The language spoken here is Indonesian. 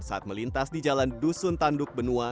saat melintas di jalan dusun tanduk benua